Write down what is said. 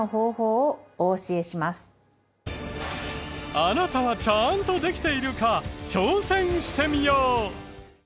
あなたはちゃんとできているか挑戦してみよう！